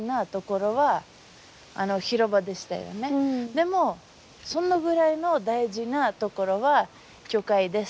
でもそのぐらいの大事な所は教会です。